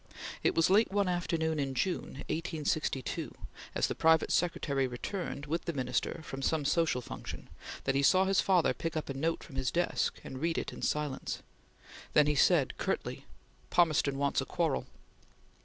It was late one after noon in June, 1862, as the private secretary returned, with the Minister, from some social function, that he saw his father pick up a note from his desk and read it in silence. Then he said curtly: "Palmerston wants a quarrel!"